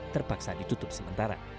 terpaksa ditutup sementara